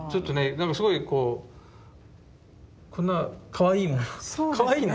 なんかすごいこうこんなかわいいものかわいいな。